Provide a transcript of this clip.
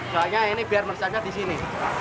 soalnya ini biar meresapnya disini